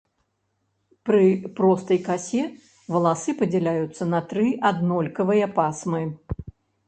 Пры простай касе валасы падзяляюцца на тры аднолькавыя пасмы.